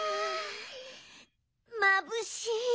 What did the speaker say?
まぶしい。